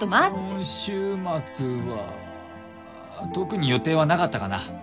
今週末は特に予定はなかったかな。